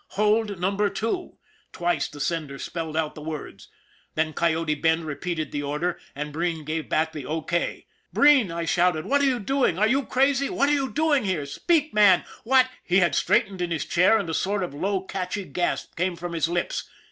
Hold Number Two " twice the sender spelled out the words. Then Coyote Bend repeated the order, and Breen gave back the O. K. " Breen! " I shouted. " What are you doing? Are you crazy! What are you doing here? Speak, man, w hat " He had straightened in his chair, and a sort of low, catchy gasp came from his lips.